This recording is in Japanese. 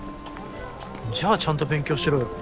じゃあちゃんと勉強しろよ。